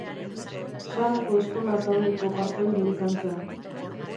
Sarako Eskola taldeko partaide izan zen.